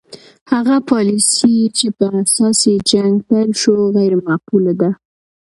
هغه پالیسي چې په اساس یې جنګ پیل شو غیر معقوله ده.